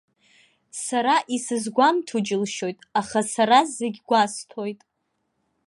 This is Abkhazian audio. Сара исызгәамҭо џьылшьоит, аха сара зегь гәасҭоит.